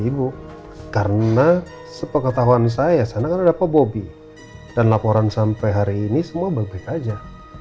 ibu karena sepengetahuan saya sana kan ada pemobi dan laporan sampai hari ini semua baik baik aja